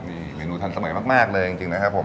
มีเมนูทันสมัยมากเลยจริงนะครับผม